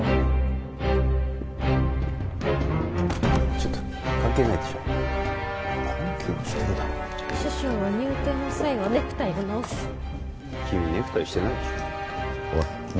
ちょっと関係ないでしょ関係はしてるだろ師匠は入廷の際はネクタイを直す君ネクタイしてないでしょおい